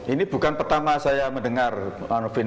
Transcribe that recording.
ini bukan pertama saya mendengar pak novin